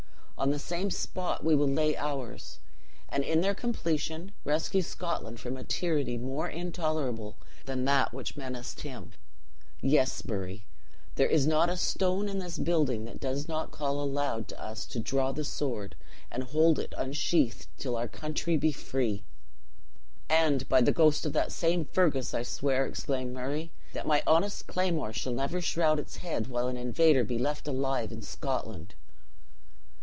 On the same spot we will lay ours; and in their completion, rescue Scotland from a tyranny more intolerable than that which menaced him. Yes, Murray; there is not a stone in this building that does not call aloud to us to draw the sword, and hold it unsheathed till our country be free." "And by the ghost of that same Fergus, I swear," exclaimed Murray, "that my honest claymore shall never shroud its head while an invader be left alive in Scotland."